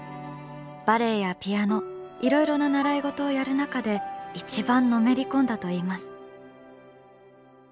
バレエやピアノいろいろな習い事をやる中で一番のめり込んだといいます。